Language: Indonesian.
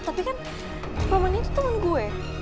tapi kan roman itu temen gue